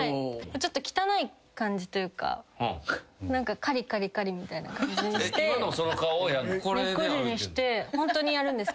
ちょっと汚い感じというかカリカリカリみたいな感じにして猫背にしてホントにやるんですけど。